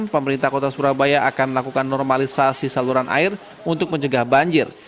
pemerintah kota surabaya akan melakukan normalisasi saluran air untuk mencegah banjir